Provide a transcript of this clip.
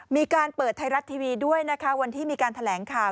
มีการเปิดไทยรัฐทีวีด้วยนะคะวันที่มีการแถลงข่าว